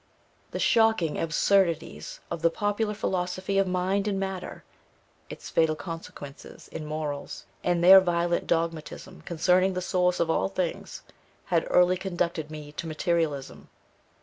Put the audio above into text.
The shocking absurdities of the popular philosophy of mind and matter, its fatal consequences in morals, and their violent dogmatism concerning the source of all things, had early conducted me to materialism.